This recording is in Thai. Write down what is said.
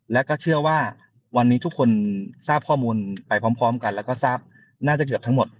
แล้วก็เชื่อว่าวันนี้ทุกคนทราบข้อมูลไปพร้อมกันแล้วก็ทราบน่าจะเกือบทั้งหมด